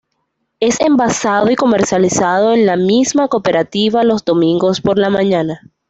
Es envasado y comercializado en la misma Cooperativa los domingos por la mañana.